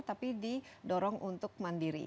tapi didorong untuk mandiri